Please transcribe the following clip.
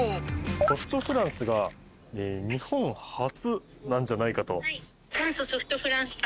ソフトフランスが日本初なんじゃないかと。